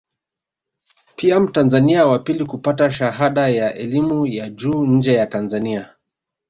Pia mtanzania wa pili kupata shahada ya elimu ya juu nje ya Tanzania